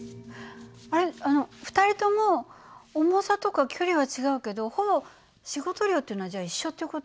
あの２人とも重さとか距離は違うけどほぼ仕事量っていうのはじゃあ一緒っていう事？